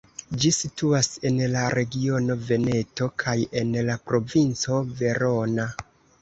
Ĝi situas en la regiono Veneto kaj en la provinco Verona.